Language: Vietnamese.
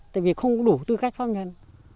tại vì không đủ tư cách phong nhân